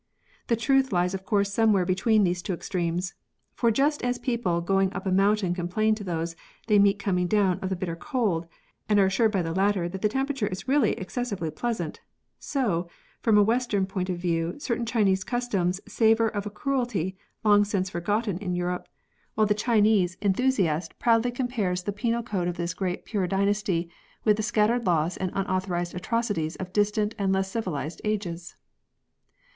The truth lies of course somewhere between these two extremes. For just as people going up a mountain complain to those they meet coming down of the bitter cold, and are assured by the latter that the temperature is really excessively pleasant — so, from a western point of view certain Chinese customs savour of a cruelty long since forgotten in Europe, while the Chinese 134 TORTURE, enthusiast proudly compares the penal code of tliis the Great Pure dynasty with the scattered laws and unauthorised atrocities of distant and less civilised ages.